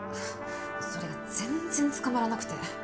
それが全然つかまらなくて。